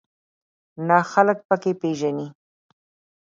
نه خلک په کې پېژنې.